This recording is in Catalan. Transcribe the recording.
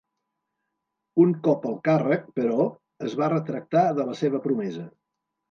Un cop al càrrec, però, es va retractar de la seva promesa.